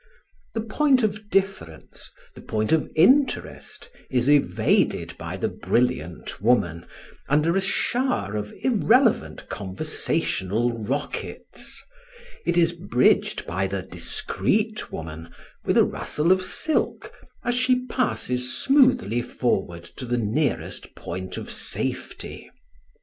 The point of difference, the point of interest, is evaded by the brilliant woman, under a shower of irrelevant conversational rockets; it is bridged by the discreet woman with a rustle of silk, as she passes smoothly forward to the nearest point of safety.